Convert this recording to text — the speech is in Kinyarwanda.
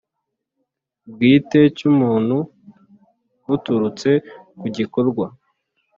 Bwite cy umuntu buturutse ku gikorwa